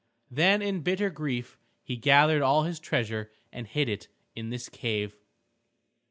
Then in bitter grief he gathered all his treasure and hid it in this cave.